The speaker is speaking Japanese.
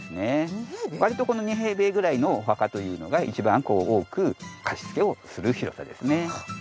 割とこの２平米ぐらいのお墓というのが一番多く貸し付けをする広さですね。